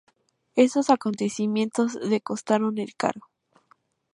Esos acontecimientos le costaron el cargo.